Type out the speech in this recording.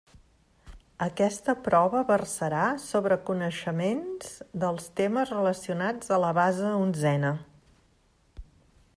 Aquesta prova versarà sobre coneixements dels temes relacionats a la base onzena.